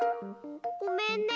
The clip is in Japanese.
ごめんね。